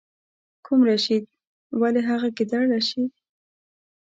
کوم رشید؟ ولې هغه ګیدړ رشید.